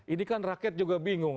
ini kan rakyat juga bingung